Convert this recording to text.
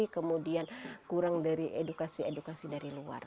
kemudian kurang dari edukasi edukasi dari luar